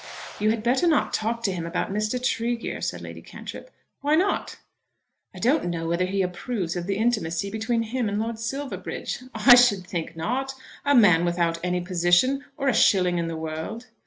"You had better not talk to him about Mr. Tregear," said Lady Cantrip. "Why not?" "I don't know whether he approves of the intimacy between him and Lord Silverbridge." "I should think not; a man without any position or a shilling in the world."